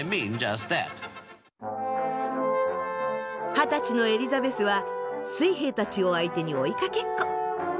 二十歳のエリザベスは水兵たちを相手に追いかけっこ。